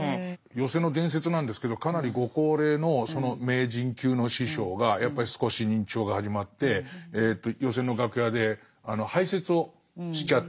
寄席の伝説なんですけどかなりご高齢のその名人級の師匠がやっぱり少し認知症が始まってえと寄席の楽屋で排泄をしちゃって。